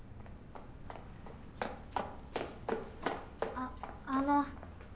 あっあの。